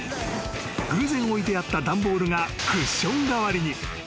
［偶然置いてあった段ボールがクッション代わりに］